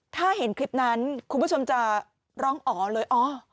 ถ้าเห็นคลิปนั้นคุณผู้ชมจะร้องอ๋อเลยอ๋อ